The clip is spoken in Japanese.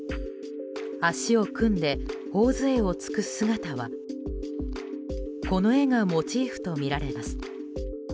足を組んで頬杖をつく姿はこの絵がモチーフとみられます。